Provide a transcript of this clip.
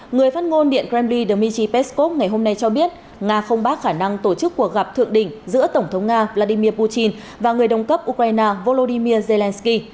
người phát ngôn điện kremli dmitry peskov ngày hôm nay cho biết nga không bác khả năng tổ chức cuộc gặp thượng đỉnh giữa tổng thống nga vladimir putin và người đồng cấp ukraine volodymyr zelensky